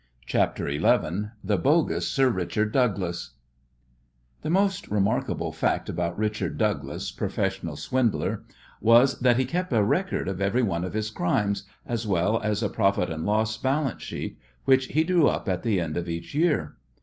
CHAPTER XI THE BOGUS SIR RICHARD DOUGLAS The most remarkable fact about Richard Douglas, professional swindler, was that he kept a record of every one of his crimes, as well as a profit and loss balance sheet, which he drew up at the end of each year.